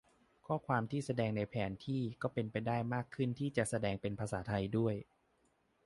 ข้อความที่แสดงในแผนที่ก็เป็นไปได้มากขึ้นที่จะแสดงเป็นภาษาไทยด้วย